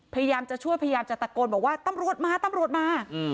พยายามจะช่วยพยายามจะตะโกนบอกว่าตำรวจมาตำรวจมา